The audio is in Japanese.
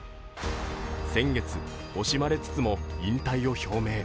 先月、惜しまれつつも引退を表明。